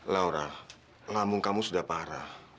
laura lamung kamu sudah parah